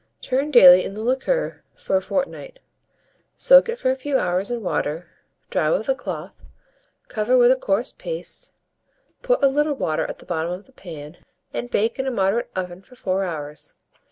Turn daily in the liquor for a fortnight, soak it for a few hours in water, dry with a cloth, cover with a coarse paste, put a little water at the bottom of the pan, and bake in a moderate oven for 4 hours.